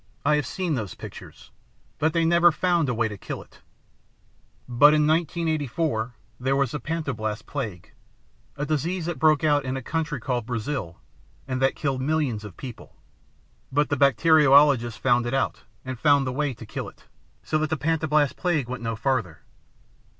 I have seen those pictures. But they never found a way to kill it. But in 1984, there was the Pantoblast Plague, a disease that broke out in a country called Brazil and that killed millions of people. But the bacteriologists found it out, and found the way to kill it, so that the Pantoblast Plague went no farther.